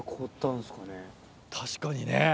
確かにね。